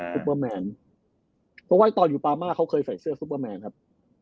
ซุปเปอร์แมนเพราะว่าตอนอยู่ปามาเขาเคยใส่เสื้อซุปเปอร์แมนครับ